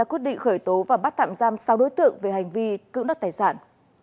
quyết định khởi tố và bắt tạm giam sáu đối tượng về hành vi cưỡng đất tài sản